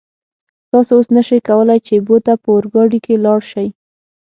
تاسو اوس نشئ کولای چې بو ته په اورګاډي کې لاړ شئ.